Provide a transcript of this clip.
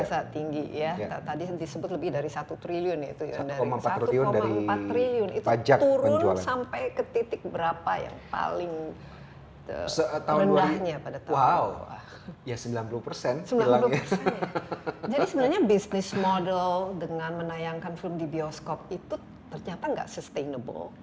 jadi sebenarnya business model dengan menayangkan film di bioskop itu ternyata nggak sustainable